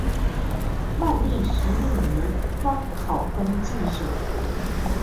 万历十六年方考中进士。